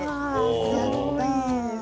やったあ。